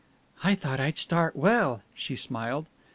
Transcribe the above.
"I thought I'd start well," she smiled.